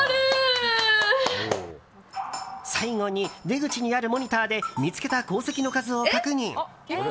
最後に出口にあるモニターで見つけた鉱石の数を確認。